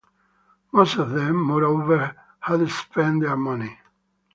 Most of them, moreover, had spent their money.